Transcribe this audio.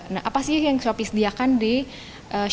nah apa sih yang sopi sediakan di sopi center ini